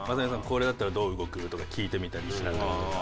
これだったらどう動く？」とか聞いてみたりしながらだとか。